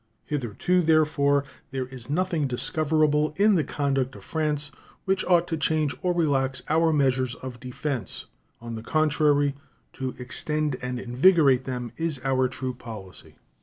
Hitherto, therefore, nothing is discoverable in the conduct of France which ought to change or relax our measures of defense. On the contrary, to extend and invigorate them is our true policy.